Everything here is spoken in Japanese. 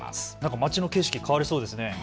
町の景色、変わりそうですね。